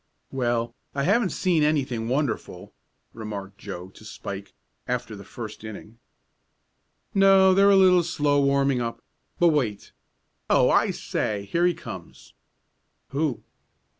"Well, I haven't seen anything wonderful," remarked Joe to Spike, after the first inning. "No, they're a little slow warming up. But wait. Oh, I say, here he comes!" "Who?"